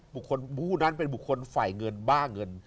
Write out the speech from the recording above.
บุคคลบูฮุนั้นเป็นบุคคลไฝ่เงินบ้าเงิน